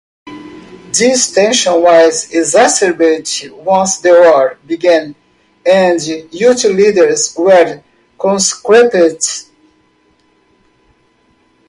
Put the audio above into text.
This tension was exacerbated once the war began and youth leaders were conscripted.